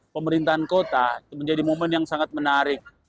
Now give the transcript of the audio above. pemerintahan kota menjadi momen yang sangat menarik